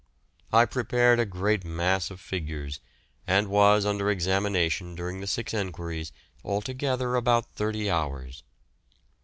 I prepared a great mass of figures, and was under examination during the six enquiries altogether about thirty hours.